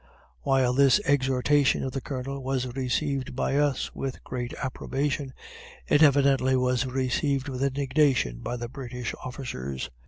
While this exhortation of the Colonel was received by us with great approbation, it evidently was received with indignation by the British officers.